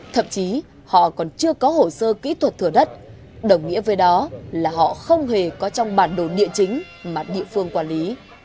thậm chí họ còn chưa có hồ sơ kỹ thuật thửa đất đồng nghĩa với đó là họ không hề có trong bản đồ địa chính mà địa phương quản lý